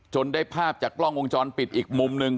ได้ภาพจากกล้องวงจรปิดอีกมุมหนึ่ง